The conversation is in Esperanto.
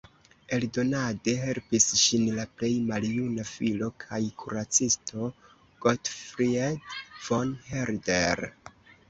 Eldonade helpis ŝin la plej maljuna filo kaj kuracisto Gottfried von Herder.